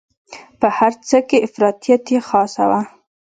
په هر څه کې افراطیت یې خاصه وه.